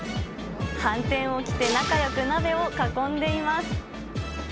はんてんを着て仲よく鍋を囲んでいます。